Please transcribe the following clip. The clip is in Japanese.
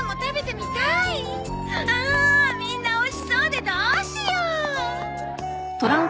みんなおいしそうでどうしよう。